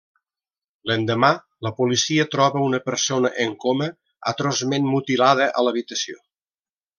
L'endemà la policia troba una persona en coma atroçment mutilada a l’habitació.